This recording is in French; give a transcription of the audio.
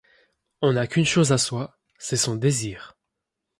On n'a qu'une chose à soi, c'est son désir.